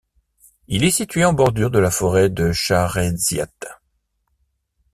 Il est situé en bordure de la forêt de Chareyziat.